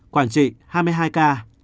quảng trị hai mươi hai ca